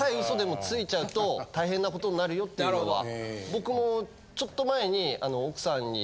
僕もちょっと前に。